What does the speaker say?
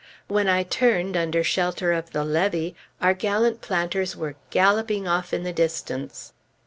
When I turned, under shelter of the levee, our gallant planters were galloping off in the distance.